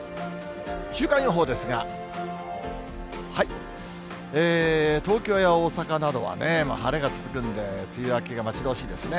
週間予報ですが、東京や大阪などはね、晴れが続くんで、梅雨明けが待ち遠しいですね。